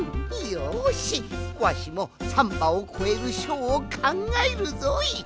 よしわしもサンバをこえるショーをかんがえるぞい！